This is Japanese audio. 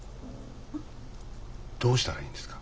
どうしたらいいんですか？